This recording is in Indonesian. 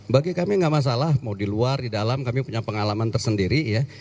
bagi kami nggak masalah mau di luar di dalam kami punya pengalaman tersendiri ya